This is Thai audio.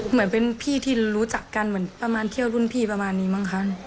เหมือนเป็นพี่ที่รู้จักกันเหมือนประมาณเที่ยวรุ่นพี่ประมาณนี้มั้งคะ